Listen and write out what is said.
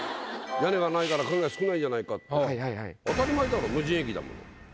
屋根がないから影が少ないじゃないかって無人駅だもの。